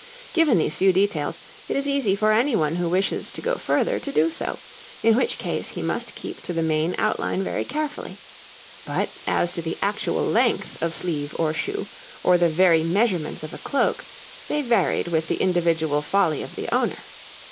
Given these few details, it is easy for anyone who wishes to go further to do so, in which case he must keep to the main outline very carefully; but as to the actual length of sleeve or shoe, or the very measurements of a cloak, they varied with the individual folly of the owner.